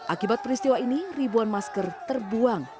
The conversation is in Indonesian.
akibat peristiwa ini ribuan masker terbuang